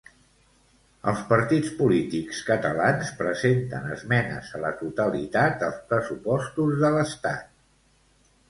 Els partits polítics catalans presenten esmenes a la totalitat als pressupostos de l'Estat.